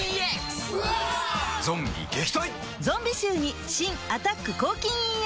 ゾンビ臭に新「アタック抗菌ＥＸ」